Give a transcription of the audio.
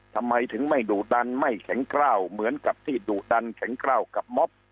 ทำไมถึงไม่ดุดันไม่แข็งกล้าวเหมือนกับที่ดุดันแข็งกล้าวกับม็อบ